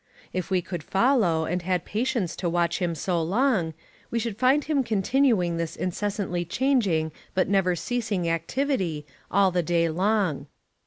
If we could follow, and had patience to watch him so long, we should find him continuing this incessantly changing but never ceasing activity all the day long.